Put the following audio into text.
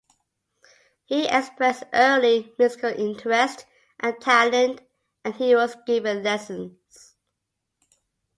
He expressed early musical interest and talent, and he was given lessons.